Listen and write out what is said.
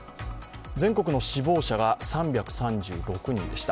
全国の死亡者が３３６人でした。